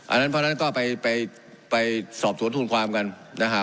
อันนั้นเพราะฉะนั้นก็ไปสอบสวนทุนความกันนะครับ